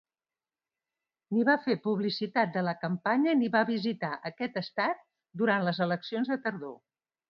Ni va fer publicitat de la campanya ni va visitar aquest estat durant les eleccions de tardor.